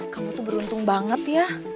kamu tuh beruntung banget ya